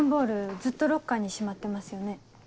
ずっとロッカーにしまってますよね。